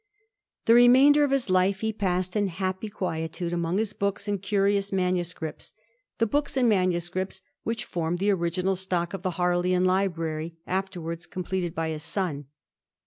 The remainder of his life he passed in happy quietude among his books and curious manu scripts ; the books and manuscripts which formed the original stock of the Harleian Library, afterwards completed by his son.